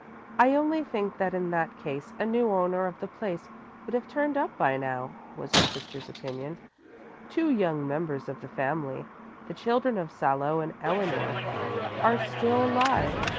"I only think that in that case a new owner of the place would have turned up by now," was his sister's opinion. "Two young members of the family, the children of Salo and Eleanor, are still alive.